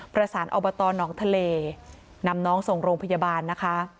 ประกอบอบตหนองทะเลนำน้องส่งโรงพยาบาลนะคะ